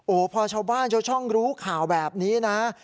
โอ้โหพอชาวบ้านชาวช่องรู้ข่าวแบบนี้นะ